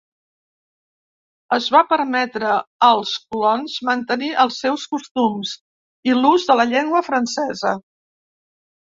Es va permetre als colons mantenir els seus costums i l'ús de la llengua francesa.